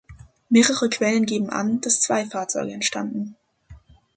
Mehrere Quellen geben an, dass zwei Fahrzeuge entstanden.